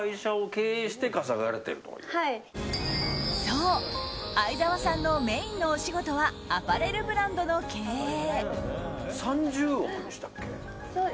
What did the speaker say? そう、愛沢さんのメインのお仕事はアパレルブランドの経営。